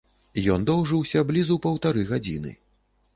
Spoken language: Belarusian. Ён доўжыўся блізу паўтары гадзіны.